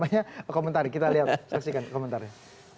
kita lihat saksikan komentarnya